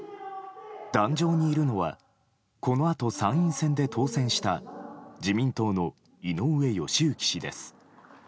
壇上にいるのはこのあと、参院選で当選した自民党の井上義行氏です。